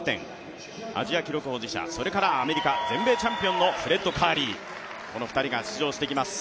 アジア記録保持者、それからアメリカ全米記録保持者のフレッド・カーリー、この二人が出場してきます。